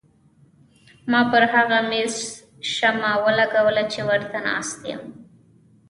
ما پر هغه مېز شمه ولګوله چې ورته ناسته یم.